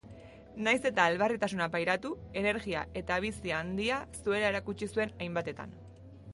Nahiz eta elbarritasuna pairatu, energia eta bizi handia zuela erakutsi zuen hainbatetan.